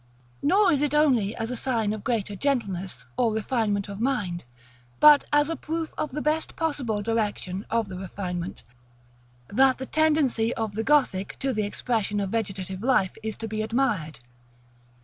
§ LXXI. Nor is it only as a sign of greater gentleness or refinement of mind, but as a proof of the best possible direction of this refinement, that the tendency of the Gothic to the expression of vegetative life is to be admired.